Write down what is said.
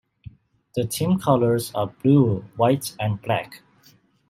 The team colours are blue, white and black.